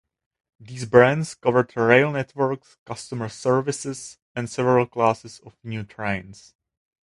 These brands covered rail networks, customers services, and several classes of new trains.